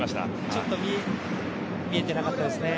ちょっと見えてなかったですね。